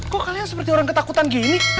kok kalian seperti orang ketakutan gini